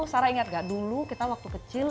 sarah ingat gak dulu kita waktu kecil